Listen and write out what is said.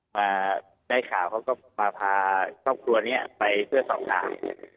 มาได้ข่าวเขาก็มาพาครอบครัวนี้ไปเพื่อสอบถาม